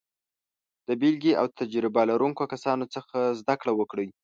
له بېلګې او تجربه لرونکو کسانو څخه زده کړه وکړئ.